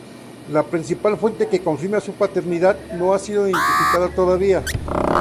La principal fuente que confirma su paternidad no ha sido identificada todavía.